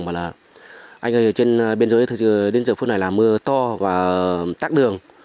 bảo là anh ở trên biên giới đến giờ phút này là mưa to và tắc đường